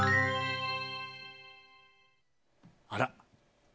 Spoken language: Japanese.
あら？